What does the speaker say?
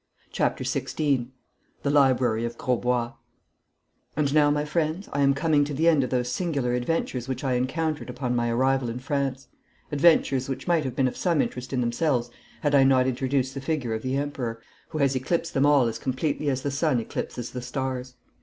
CHAPTER XVI THE LIBRARY OF GROSBOIS And now, my friends, I am coming to the end of those singular adventures which I encountered upon my arrival in France, adventures which might have been of some interest in themselves had I not introduced the figure of the Emperor, who has eclipsed them all as completely as the sun eclipses the stars.